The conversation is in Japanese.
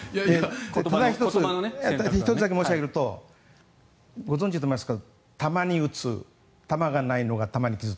１つだけ申し上げるとご存じだと思いますがたまに撃つ弾がないのが玉にきず。